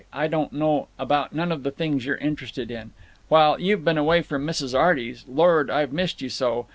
I don't know about none of the things you're interested in. While you've been away from Mrs. Arty's—Lord, I've missed you so!